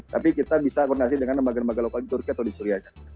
tapi kita bisa koordinasi dengan lembaga lembaga lokal di turki atau di syria